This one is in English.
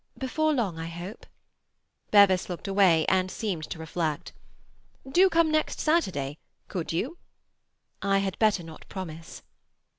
"Before long, I hope." Bevis looked away and seemed to reflect. "Do come next Saturday—could you?" "I had better not promise."